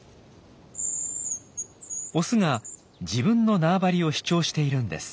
オスが自分の縄張りを主張しているんです。